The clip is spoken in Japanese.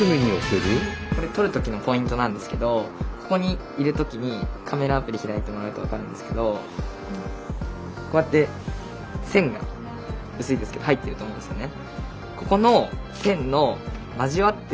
これ撮るときのポイントなんですけどここにいるときにカメラアプリ開いてもらうと分かるんですけどこうやって線が薄いですけど入ってると思うんですよね。